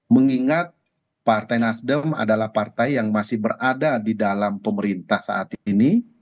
mengingat partai nasdem adalah partai yang masih berada di dalam pemerintah saat ini